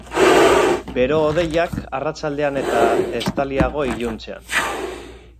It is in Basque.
Bero-hodeiak arratsaldean eta estaliago iluntzean.